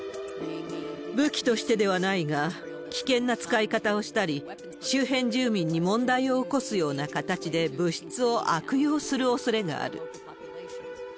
武器としてではないが、危険な使い方をしたり、周辺住民に問題を起こすような形で、物質を悪用するおそれがある。